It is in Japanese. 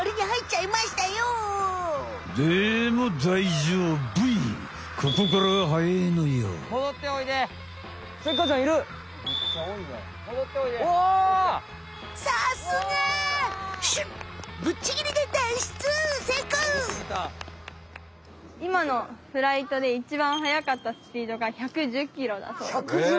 いまのフライトでいちばんはやかったスピードが１１０キロだそうです。